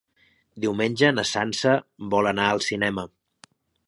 Diumenge na Sança vol anar al cinema.